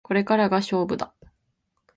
これからが勝負だ